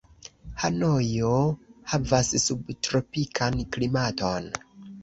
Hanojo havas subtropikan klimaton.